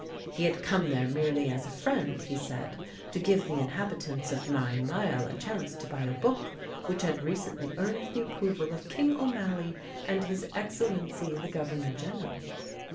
He had come there merely as a friend, he said, to give the inhabitants of Ninemile a chance to buy a book which had recently earned the approval of King O'Malley and His Excellency the Governor General.